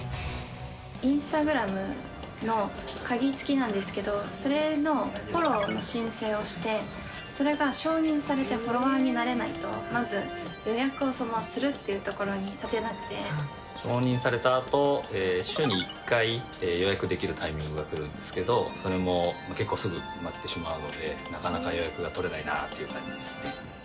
インスタグラムの鍵つきなんですけど、それのフォローの申請をして、それが承認されてフォロワーになれないと、まず予約をするってい承認されたあと、週に１回、予約できるタイミングが来るんですけど、それも結構すぐ埋まってしまうので、なかなか予約が取れないなっていう感じですね。